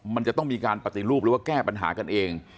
มันจะต้องมีการปฏิรูปหรือว่าแก้ปัญหากันเอง